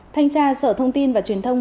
thanh tra sở thông tin và truyền thông